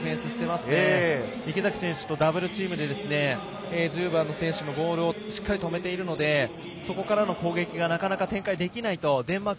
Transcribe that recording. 池崎選手とダブルチームで１０番の選手のボールをしっかり止めているのでそこからの攻撃がなかなか展開できないとデンマーク